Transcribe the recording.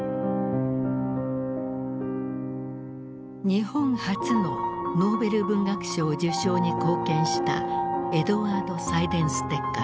日本初のノーベル文学賞受賞に貢献したエドワード・サイデンステッカー。